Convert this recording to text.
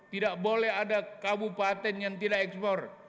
tidak boleh ada kabupaten yang tidak ekspor